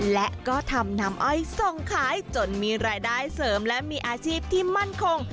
และก็ทำน้ำอ้อยส่งขายจนมีรายได้เสริมและมีอาชีพที่มั่นคง